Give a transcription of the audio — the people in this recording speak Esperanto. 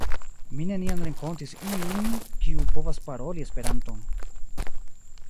Mi neniam renkontis iun kiu povas paroli Esperanton.